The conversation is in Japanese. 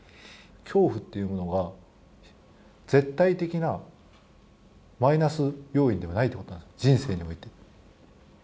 恐怖っていうものが絶対的なマイナス要因ではないってことなんです、人生において。